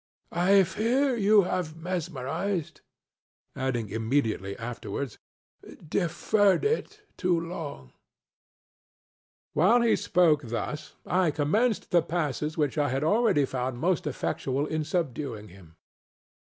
I fear you have mesmerizedŌĆØŌĆöadding immediately afterwards: ŌĆ£I fear you have deferred it too long. ŌĆØ While he spoke thus, I commenced the passes which I had already found most effectual in subduing him.